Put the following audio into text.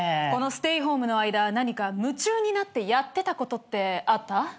ステイホームの間何か夢中になってやってたことってあった？